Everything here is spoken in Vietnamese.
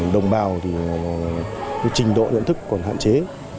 đồng bào thì trình độ nhận thức còn hạn chế